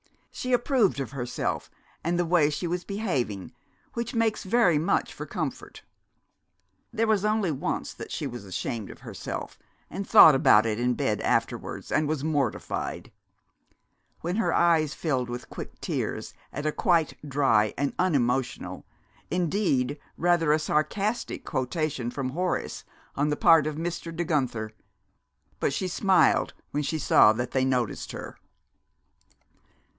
She approved of herself and the way she was behaving, which makes very much for comfort. There was only once that she was ashamed of herself, and thought about it in bed afterwards and was mortified; when her eyes filled with quick tears at a quite dry and unemotional indeed, rather a sarcastic quotation from Horace on the part of Mr. De Guenther. But she smiled, when she saw that they noticed her.